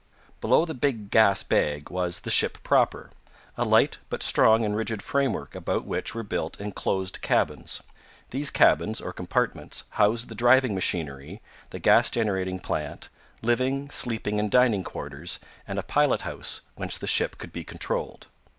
Below the big gas bag was the ship proper, a light but strong and rigid framework about which were built enclosed cabins. These cabins, or compartments, housed the driving machinery, the gas generating plant, living, sleeping and dining quarters, and a pilot house, whence the ship could be controlled.